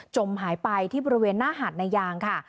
หายไปที่บริเวณหน้าหาดนายางค่ะ